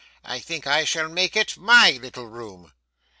I think I shall make it MY little room.